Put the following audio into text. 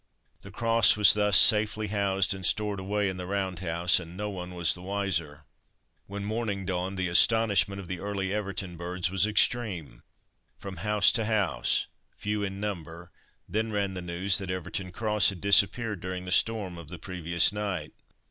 The Cross was thus safely housed and stored away in the Round House, and no one was the wiser. When morning dawned the astonishment of the early Everton birds was extreme. From house to house few in number, then ran the news that Everton Cross had disappeared during the storm of the previous night.